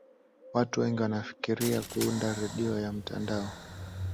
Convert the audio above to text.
watu wengi wanafikiria kuunda redio ya mtandao